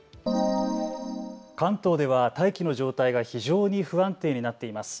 関東では大気の状態が非常に不安定になっています。